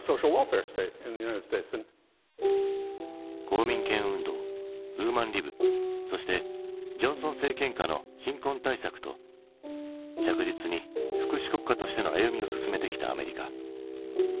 公民権運動ウーマンリブそしてジョンソン政権下の貧困対策と着実に福祉国家としての歩みを進めてきたアメリカ。